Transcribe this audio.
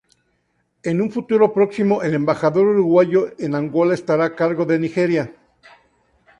En un futuro próximo, el embajador uruguayo en Angola estará a cargo de Nigeria.